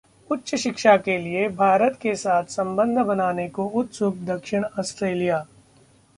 उच्च शिक्षा के लिए भारत के साथ संबंध बनाने को उत्सुक दक्षिण ऑस्ट्रेलिया